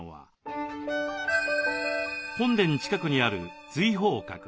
本殿近くにある瑞鳳閣。